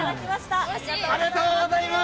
ありがとうございます。